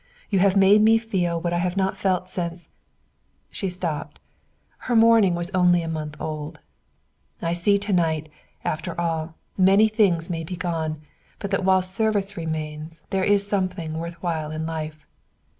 "You have made me feel what I have not felt since " She stopped. Her mourning was only a month old. "I see to night that, after all, many things may be gone, but that while service remains there is something worth while in life."